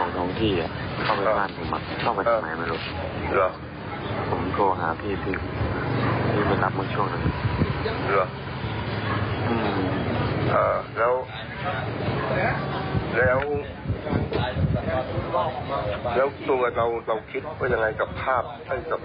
ดูใช้เป็นนับมีลูกช่วงแล้วตัวเราคิดว่าจะยังไงกับภาพ